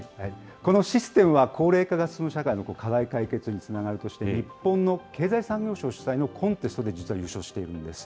このシステムは、高齢化が進む社会の課題解決につながるとして、日本の経済産業省主催のコンテストで実は優勝しているんです。